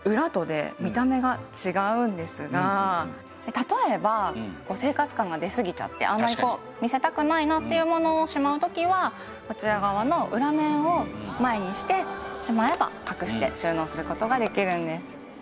例えば生活感が出すぎちゃってあんまり見せたくないなっていうものをしまう時はこちら側の裏面を前にしてしまえば隠して収納する事ができるんです。